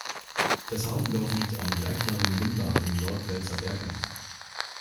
Das Haufendorf liegt am gleichnamigen Limbach im Nordpfälzer Bergland.